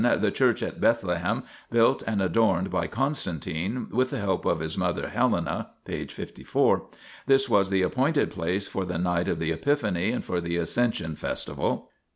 The Church at Bethlehem built and adorned by Constantine, with the help of his mother Helena l (p. 54). This was the appointed place for the night of the Epiphany and for the Ascension festival.